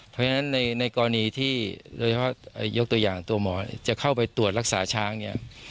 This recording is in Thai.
เพราะฉะนั้นในกรณีที่โดยเฉพาะยกตัวอย่างตัวหมอจะเข้าไปตรวจรักษาช้างเนี่ย